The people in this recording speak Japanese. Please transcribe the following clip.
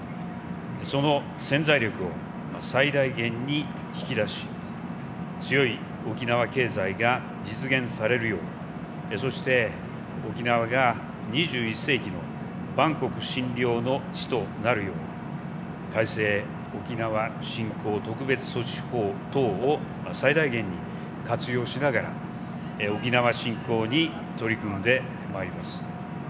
その潜在力を最大限に引き出し強い沖縄経済が実現されるようそして、沖縄が２１世紀の万国津梁の地となるよう改正沖縄振興特別措置法等を最大限に活用しながら沖縄振興に取り組んでまいります。